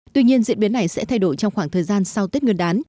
tuy nhiên diễn biến này sẽ thay đổi trong khoảng thời gian sau tết nguyên đán